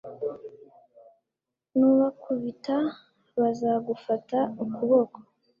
nubakubita bazagufata ukuboko